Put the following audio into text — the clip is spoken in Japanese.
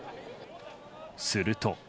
すると。